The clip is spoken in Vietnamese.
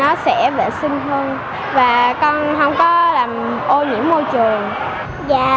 nó sẽ vệ sinh hơn và con không có làm ô nhiễm môi trường da